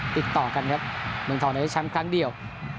ติดต่อกันครับหนึ่งทองนั้นจะแชมป์ครั้งเดียว